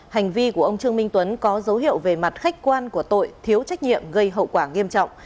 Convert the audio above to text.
hành vi của ông trương minh tuấn có dấu hiệu về mặt khách quan của tội thiếu trách nhiệm gây hậu quả nghiêm trọng